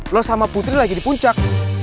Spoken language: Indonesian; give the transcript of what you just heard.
lo sama putri lagi di puncak